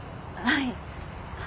はい。